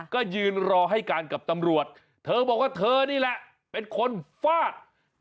ก็ยืนรอให้การกับตำรวจเธอบอกว่าเธอนี่แหละเป็นคนฟาด